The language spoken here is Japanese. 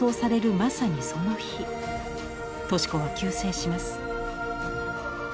まさにその日敏子は急逝します。